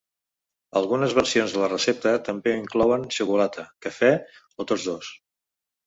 Algunes versions de la recepta també inclouen xocolata, cafè o tots dos.